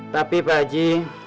tapi pak haji